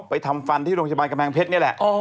ทำฟันที่โรงพยาบาลกำแพงเพชรนี่แหละ